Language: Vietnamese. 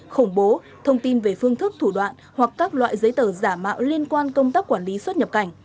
khủng bố thông tin về phương thức thủ đoạn hoặc các loại giấy tờ giả mạo liên quan công tác quản lý xuất nhập cảnh